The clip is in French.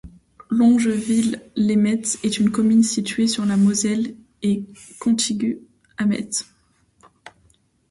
Longeville-lès-Metz est une commune située sur la Moselle et contigüe à Metz.